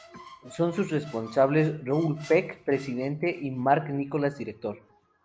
Son sus responsables Raoul Peck, presidente, y Marc Nicolas, director.